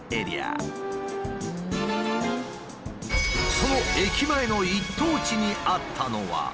その駅前の一等地にあったのは。